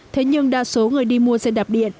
thế nhưng đa số người đi mua xe đạp điện